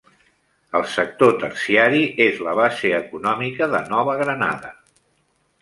El sector terciari és la base econòmica de Nova Granada.